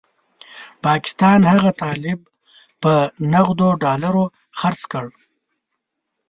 پاکستان هغه طالب په نغدو ډالرو خرڅ کړ.